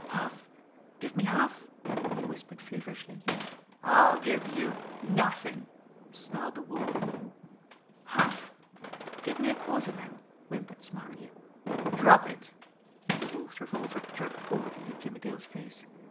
"Half give me half?" he whispered feverishly. "I'll give you nothing!" snarled the Wolf. "Half give me a quarter then?" whimpered Smarlinghue. "Drop it!" The Wolf's revolver jerked forward into Jimmie Dale's face.